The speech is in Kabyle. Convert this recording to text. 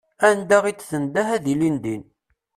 Anda i d-tendeh ad ilin din.